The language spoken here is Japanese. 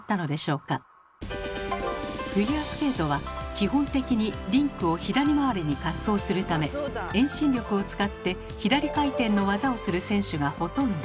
フィギュアスケートは基本的にリンクを左回りに滑走するため遠心力を使って左回転の技をする選手がほとんど。